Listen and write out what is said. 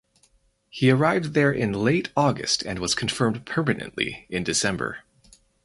He arrived there in late August and was confirmed permanently in December.